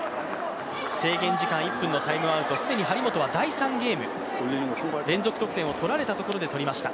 制限時間１分のタイムアウト、既に張本は第３ゲーム、連続得点を取られたところで取りました。